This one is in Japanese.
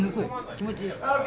気持ちいい。